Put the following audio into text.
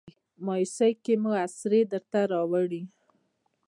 مایوسۍ کې مې اسرې درته راوړي